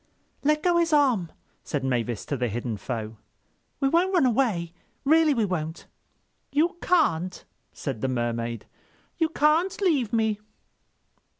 "Let go his arm," said Mavis to the hidden foe. "We won't run away. Really we won't." "You can't," said the Mermaid. "You can't leave me."